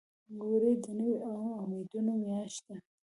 وری د نوي امیدونو میاشت ده.